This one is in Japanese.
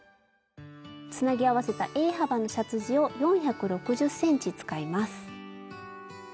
つなぎ合わせたＡ幅のシャツ地を４６０ｃｍ使います。